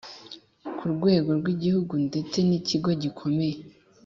Ku rwego rw igihugu ndetse n ikigo gikomeye